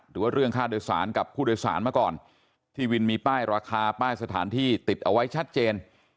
หรือว่าเรื่องค่าโดยสารกับผู้โดยสารมาก่อนที่วินมีป้ายราคาป้ายสถานที่ติดเอาไว้ชัดเจน